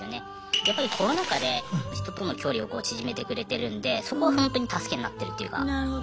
やっぱりコロナ禍で人との距離を縮めてくれてるんでそこはほんとに助けになってるっていうか。